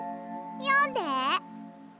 よんで！